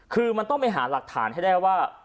คือมันต้องไปหาหลักฐานให้ได้ว่า